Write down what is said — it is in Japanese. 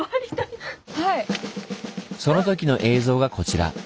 その時の映像がこちら。